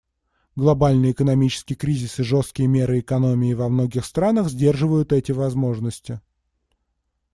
Глобальный экономический кризис и жесткие меры экономии во многих странах сдерживают эти возможности.